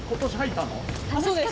そうです。